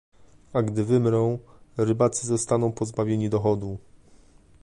A gdy wymrą, rybacy zostaną pozbawieni dochodu